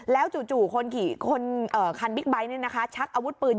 แล้วจู่คนขี่คันบิ๊กไบท์ชักอาวุธปืน